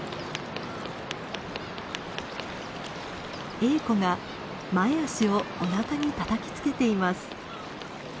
エーコが前足をおなかにたたきつけています。